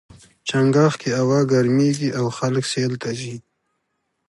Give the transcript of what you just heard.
چنګاښ کې هوا ګرميږي او خلک سیل ته ځي.